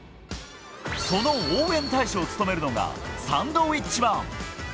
その応援大使を務めるのがサンドウィッチマン。